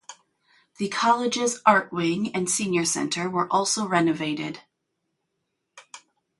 The college's Art Wing and Senior Center were also renovated.